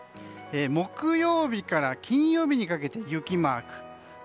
木曜日から金曜日にかけて雪マーク。